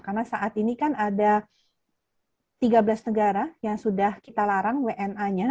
karena saat ini kan ada tiga belas negara yang sudah kita larang wna nya